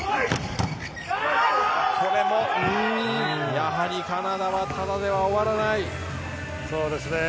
やはりカナダはただでは終わらない。